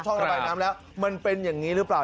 ระบายน้ำแล้วมันเป็นอย่างนี้หรือเปล่า